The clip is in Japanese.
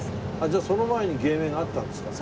じゃあその前に芸名があったんですか？